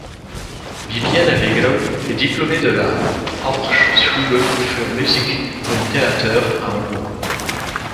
Bibiana Beglau est diplômée de la Hochschule für Musik und Theater à Hambourg.